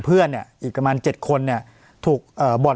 ปากกับภาคภูมิ